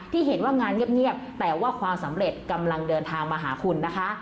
ที่เห็นว่างานเงียบแต่ว่าความสำเร็จกำลังเดินทางมาหาคุณนะคะ